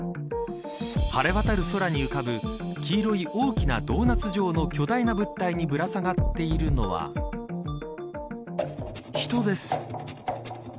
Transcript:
晴れ渡る空に浮かぶ黄色い大きなドーナツ状の巨大な物体にぶら下がっているのは人です。